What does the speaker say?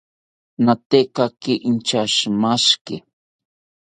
Natekaki inchashimashiki